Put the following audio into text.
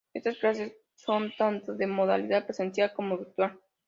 Estas clases son tanto de modalidad presencial como virtual.